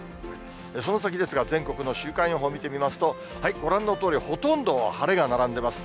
その先ですが、全国の週間予報見てみますと、ご覧のとおり、ほとんど晴れが並んでます。